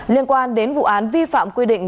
liên quan đến vụ án vi phạm quy định